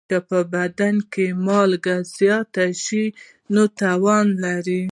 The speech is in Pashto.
که بدن کې مالګه زیاته شي، نو تاوان لري.